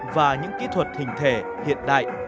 và những kỹ thuật hình thể hiện đại